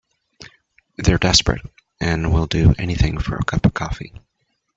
They're desperate and will do anything for a cup of coffee.